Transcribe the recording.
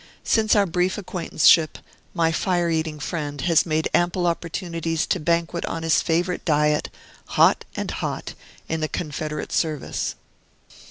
Since our brief acquaintanceship, my fire eating friend has had ample opportunities to banquet on his favorite diet, hot and hot, in the Confederate service.